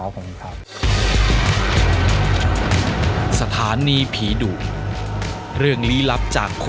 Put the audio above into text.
ขอบคุณครับ